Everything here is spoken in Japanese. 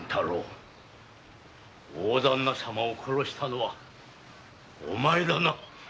小淵大旦那様を殺したのはお前だな！？